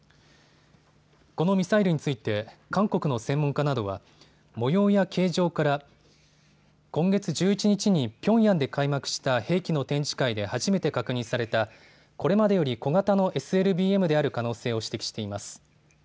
このミサイルについて韓国の専門家などは模様や形状から今月１１日にピョンヤンで開幕した兵器の展示会で初めて確認されたこれまでより小型のＳＬＢＭである可能性を指摘しています。